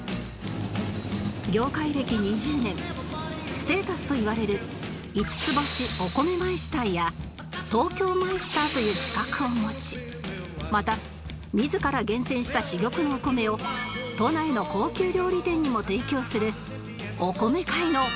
ステータスといわれる「五ツ星お米マイスター」や「東京米スター」という資格を持ちまた自ら厳選した珠玉のお米を都内の高級料理店にも提供する